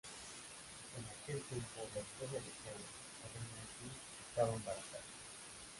En aquel tiempo, la esposa de Xiang, la reina "Ji" estaba embarazada.